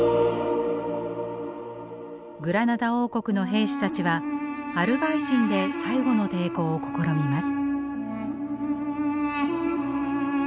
グラナダ王国の兵士たちはアルバイシンで最後の抵抗を試みます。